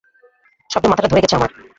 শব্দে মাথাটা ধরে গেছে আমার!